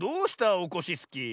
オコシスキー。